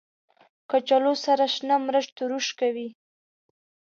کچالو سره شنه مرچ تروش کوي